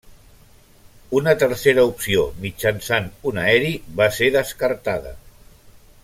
Una tercera opció, mitjançat un aeri, va ser descartada.